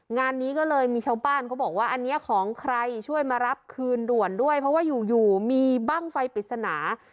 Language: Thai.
งานนี้ก็เลยมีชาวบ้านเขาบอกว่าอันนี้ของใครช่วยมารับคืนด่วนด้วยเพราะว่าอยู่อยู่มีบ้างไฟปริศนา